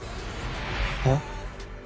えっ？